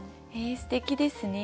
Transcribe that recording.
すてきですね。